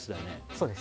そうです